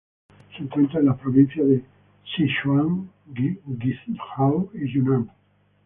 Se encuentra en las provincias de Sichuan, Guizhou y Yunnan.